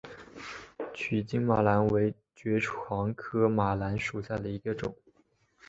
曲茎马蓝为爵床科马蓝属下的一个种。